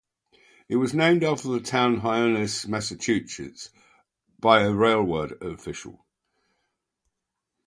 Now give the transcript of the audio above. It was named after the town of Hyannis, Massachusetts by a railroad official.